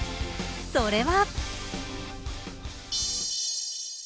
それは。